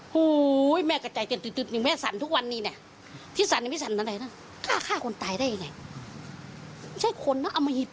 พอรู้ข่าวก็ช็อกเลย